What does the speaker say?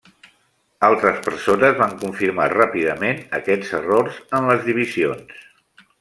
Altres persones van confirmar ràpidament aquests errors en les divisions.